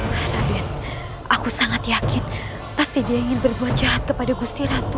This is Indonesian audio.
aku sangat yakin pasti dia ingin berbuat jahat kepada gusti ratu